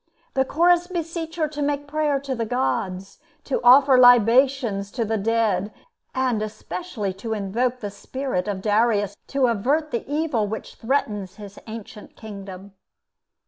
The Chorus beseech her to make prayer to the gods, to offer libations to the dead, and especially to invoke the spirit of Darius to avert the evil which threatens his ancient kingdom.